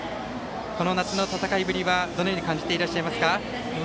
この夏の戦いぶりはどのように感じていらっしゃいますか。